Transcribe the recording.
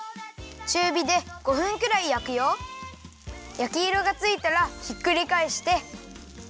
やきいろがついたらひっくりかえして。